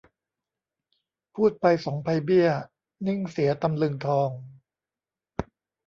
พูดไปสองไพเบี้ย นิ่งเสียตำลึงทอง